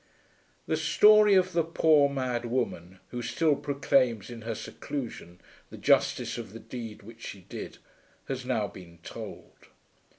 The story of the poor mad woman who still proclaims in her seclusion the justice of the deed which she did, has now been told.